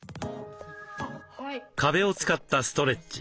壁を使ったストレッチ。